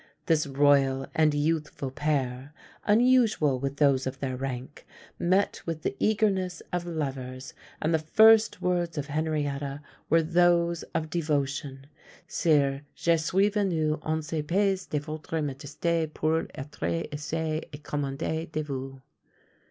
This royal and youthful pair, unusual with those of their rank, met with the eagerness of lovers, and the first words of Henrietta were those of devotion; _Sire! je suis venue en ce pays de votre majesté pour ÃẂtre usée et commandée de vous.